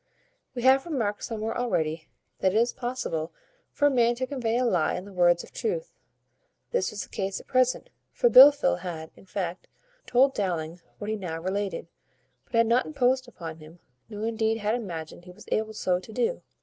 We have remarked somewhere already, that it is possible for a man to convey a lie in the words of truth; this was the case at present; for Blifil had, in fact, told Dowling what he now related, but had not imposed upon him, nor indeed had imagined he was able so to do.